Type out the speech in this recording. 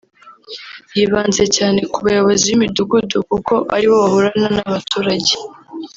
yibanze cyane ku bayobozi b’imidugudu kuko ari bo bahorana n’abaturage